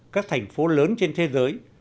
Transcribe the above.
các thành phố lớn trên thế giới